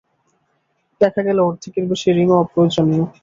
দেখা গেল অর্ধেকের বেশি রিং অপ্রয়োজনীয়।